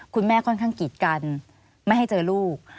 คุณแม่ค่อนข้างกีดกันไม่ให้เจอลูก